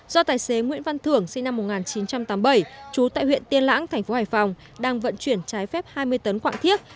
do tài xế nguyễn văn thưởng sinh năm một nghìn chín trăm tám mươi bảy trú tại huyện tiên lãng thành phố hải phòng đang vận chuyển trái phép hai mươi tấn quạng thiết